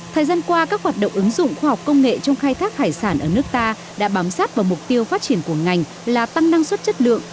thời gian qua các hoạt động ứng dụng khoa học công nghệ trong khai thác hải sản ở nước ta đã bám sát vào mục tiêu phát triển của ngành là tăng năng suất chất lượng